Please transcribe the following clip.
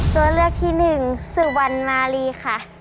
ตัวเลือกที่หนึ่งสุวรรณมารีค่ะ